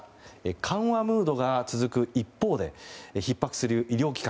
緩和ムードが続く一方でひっ迫する医療機関。